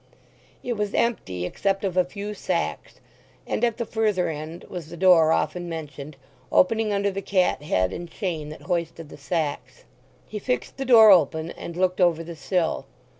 It was empty except of a few sacks, and at the further end was the door often mentioned, opening under the cathead and chain that hoisted the sacks. He fixed the door open and looked over the sill.